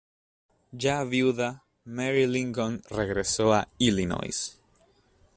Ya viuda, Mary Lincoln regresó a Illinois.